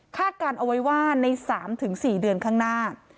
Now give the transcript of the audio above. การเอาไว้ว่าใน๓๔เดือนข้างหน้า